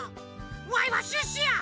わいはシュッシュや！